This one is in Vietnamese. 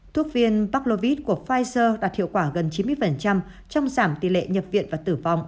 thuốc viên parklovid của pfizer đạt hiệu quả gần chín mươi trong giảm tỷ lệ nhập viện và tử vong